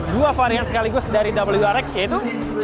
dua varian sekaligus dari wrx yaitu